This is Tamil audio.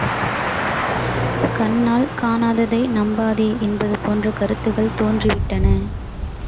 கண்ணால் காணாததை நம்பாதே என்பது போன்ற கருத்துக்கள் தோன்றி விட்டன.